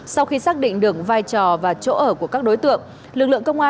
sau khi xác định được vai trò và chỗ ở của các đối tượng